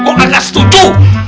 gue gak setuju